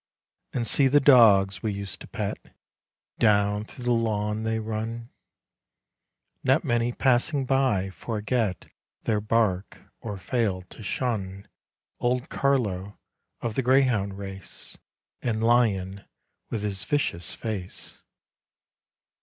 And see the dogs we used to pet; Down through the lawn they run; Not many passing by, forget Their bark, or fail to shun Old Carlo of the greyhound race, And Lion with his vicious face.